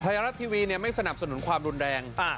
ไทยรัฐทีวีเนี้ยไม่สนับสนุนความรุนแรงอ่า